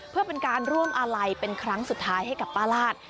เพื่อเป็นการร่วมอาลัยเป็นครั้งสุดท้ายให้กับป้าราช